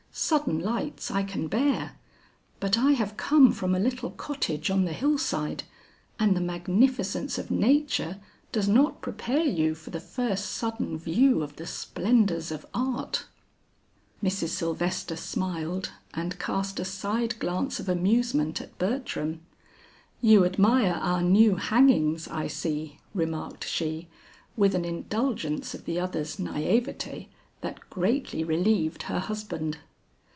"Sudden lights I can bear, but I have come from a little cottage on the hillside and the magnificence of nature does not prepare you for the first sudden view of the splendors of art." Mrs. Sylvester smiled and cast a side glance of amusement at Bertram. "You admire our new hangings I see," remarked she with an indulgence of the other's näiveté that greatly relieved her husband.